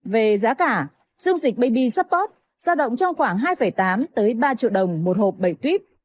về giá cả dung dịch bab support giao động trong khoảng hai tám ba triệu đồng một hộp bảy tuyếp